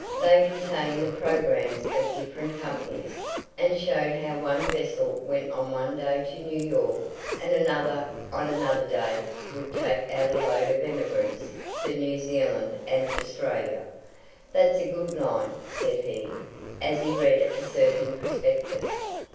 They contained the programmes of different companies, and showed how one vessel went on one day to New York, and another on another day would take out a load of emigrants for New Zealand and Australia. "That's a good line," said he, as he read a certain prospectus.